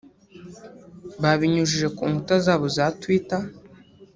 Babinyujije ku nkuta zabo za Twitter